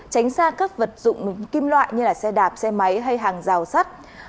tránh xa các vật dụng kim loại như là xe đạp xe máy hay hàng rào xe máy